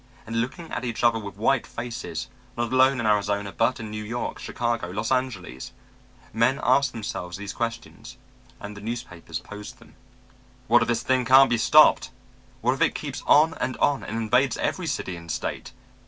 And looking at each other with white faces not alone in Arizona, but in New York, Chicago, Los Angeles men asked themselves these questions, and the newspapers posed them: "What if this thing can't be stopped?" "What if it keeps on and on and invades every city and state?"